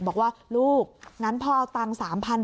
บอกว่าลูกงั้นพ่อตั้ง๓๐๐๐บาท